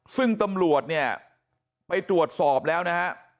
ซึ่งตำรวจเนี่ยไปตรวจสอบแล้วนะฮะ